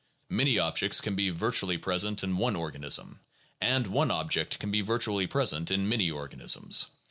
Many objects can be virtually present in one organism and one object can be vir tually present in many organisms.